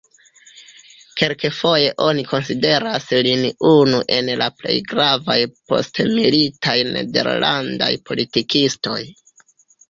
Kelkfoje oni konsideras lin unu el la plej gravaj postmilitaj nederlandaj politikistoj.